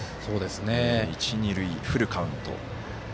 一、二塁、フルカウント。